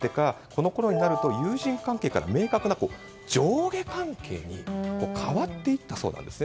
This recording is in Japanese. このころになると友人関係から明確な上下関係に変わっていったそうなんです。